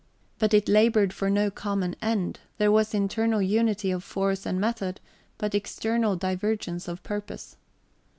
But it laboured for no common end; there was internal unity of force and method, but external divergence of purpose.